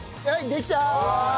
できた！